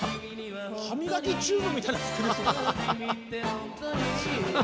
歯磨きチューブみたいな服ですね。